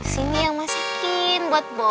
sini yang masakin buat bobby